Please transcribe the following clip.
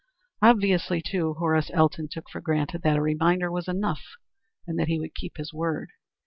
Obviously, too, Horace Elton took for granted that a reminder was enough, and that he would keep his word.